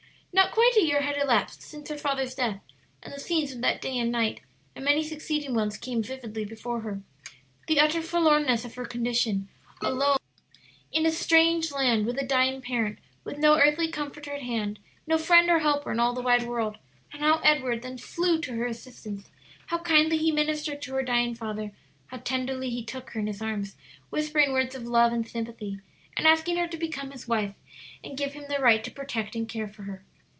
Not quite a year had elapsed since her father's death, and the scenes of that day and night and many succeeding ones came vividly before her; the utter forlornness of her condition, alone in a strange land with a dying parent, with no earthly comforter at hand, no friend or helper in all the wide world, and how Edward then flew to her assistance, how kindly he ministered to her dying father, how tenderly he took her in his arms, whispering words of love and sympathy, and asking her to become his wife and give him the right to protect and care for her.